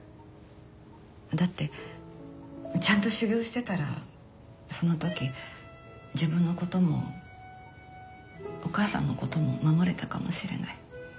だってちゃんと修行してたらそのとき自分のこともお母さんのことも守れたかもしれない。